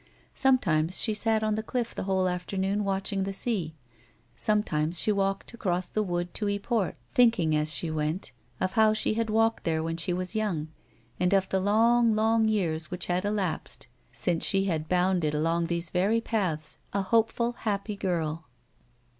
Sometimes she sat on the cliff the whole afternoon watching the sea ; sometimes she walked, across the wood, to Yport, thinking, as she went, of how she had walked there when she was young, and of the long, long years which had elapsed since she had bounded along these very paths, a hopeful, happy girl.